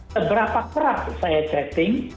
seberapa serat saya chatting